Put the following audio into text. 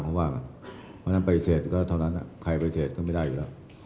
เพราะฉะนั้นไปเศษก็เท่านั้นใครไปเศษก็ไม่ได้อยู่แล้ว